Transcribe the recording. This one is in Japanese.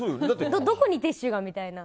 どこにティッシュがみたいな。